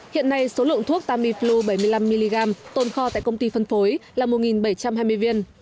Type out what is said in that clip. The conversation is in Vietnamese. hiện nay số lượng thuốc tamiflu bảy mươi năm mg tồn kho tại công ty phân phối là một bảy trăm hai mươi viên